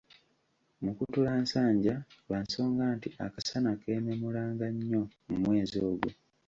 Mukutulasanja, lwa nsonga nti akasana keememulanga nnyo mu mwezi ogwo.